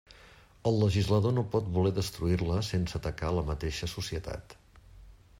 El legislador no pot voler destruir-la sense atacar la mateixa societat.